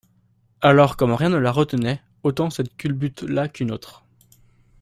Alors, comme rien ne la retenait, autant cette culbute-là qu'une autre.